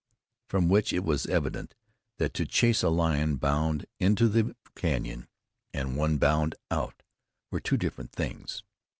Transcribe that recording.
From which it was evident that to chase a lion bound into the canyon and one bound out were two different things.